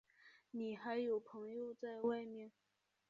你还有朋友在外面？